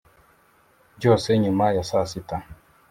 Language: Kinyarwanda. byose nyuma ya saa sita,